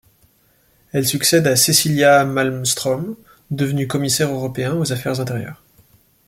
Elle succède à Cecilia Malmström devenue commissaire européen aux affaires intérieures.